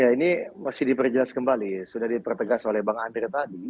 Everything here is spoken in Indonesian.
ya ini masih diperjelas kembali sudah dipertegas oleh bang andri tadi